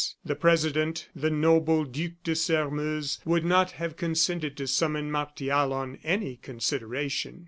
The president, the noble Duc de Sairmeuse, would not have consented to summon Martial on any consideration.